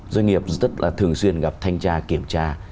doanh nghiệp rất là thường xuyên gặp thanh tra kiểm tra